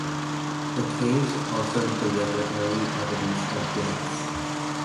The caves also deliver early evidence of dance.